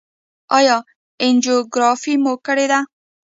ایا انجیوګرافي مو کړې ده؟